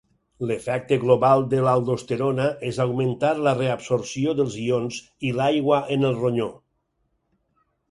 L'efecte global de l'aldosterona és augmentar la reabsorció dels ions i l'aigua en el ronyó.